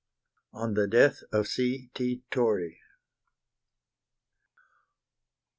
ON THE DEATH OF C. T. TORREY.